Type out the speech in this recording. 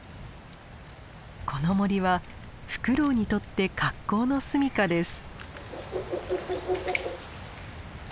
この森はフクロウにとって格好の住みかです。